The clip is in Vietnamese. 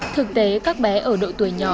thực tế các bé ở độ tuổi nhỏ